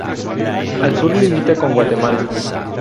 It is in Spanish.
Al sur limita con Guatemala.